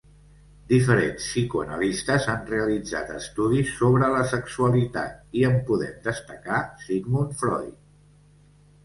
Diferents psicoanalistes han realitzat estudis sobre la sexualitat i en podem destacar Sigmund Freud.